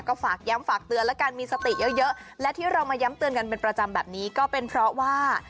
ก็ฝากย้ำฝากเตือนแล้วกันมีสติเยอะเยอะและที่เรามาย้ำเตือนกันเป็นประจำแบบนี้ก็เป็นเพราะว่า